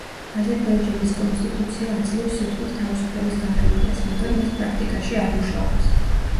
აზერბაიჯანის კონსტიტუცია აძლევს სიტყვის თავისუფლების გარანტიას, მაგრამ ეს პრაქტიკაში არ მუშაობს.